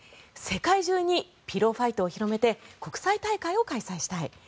世界中にピローファイトを広めて国際大会を開催したい。